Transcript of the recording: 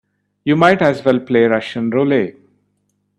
You might as well play Russian roulette.